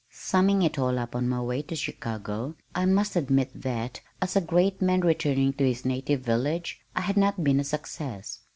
Summing it all up on my way to Chicago I must admit that as a great man returning to his native village I had not been a success.